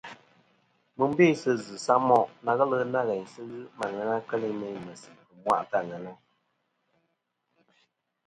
Mɨ n-bê sɨ zɨ̀ samoʼ na ghelɨ nâ ghèyn sɨ ghɨ ma ghɨ keli meyn mèsì ɨ̀mwaʼtɨ ɨ àŋena.